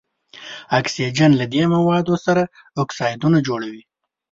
اکسیجن له دې موادو سره اکسایدونه جوړوي.